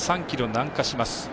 ３ｋｍ南下します。